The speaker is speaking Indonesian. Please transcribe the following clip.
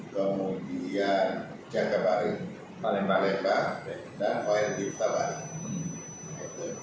kemudian jakabaring palembang dan wnp petabari